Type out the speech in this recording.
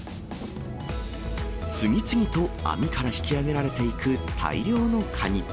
次々と網から引き上げられていく大漁のカニ。